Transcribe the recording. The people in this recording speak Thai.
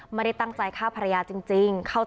ไม่ได้ตั้งใจฆ่าภรรยาจริง